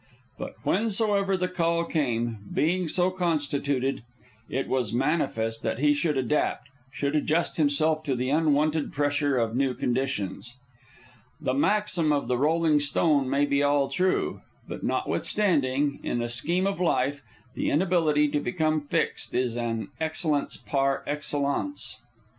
But whensoever the call came, being so constituted, it was manifest that he should adapt, should adjust himself to the unwonted pressure of new conditions. The maxim of the rolling stone may be all true; but notwithstanding, in the scheme of life, the inability to become fixed is an excellence par excellence.